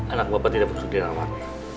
anak bapak tidak perlu dirawat